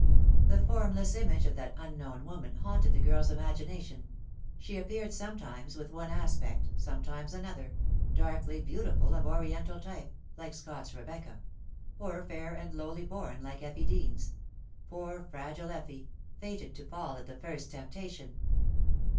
The formless image of that unknown woman haunted the girl's imagination. She appeared sometimes with one aspect, sometimes another darkly beautiful, of Oriental type, like Scott's Rebecca, or fair and lowly born like Erne Deans poor fragile Erne, fated to fall at the first temptation.